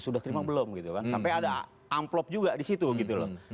sampai ada amplop juga disitu gitu loh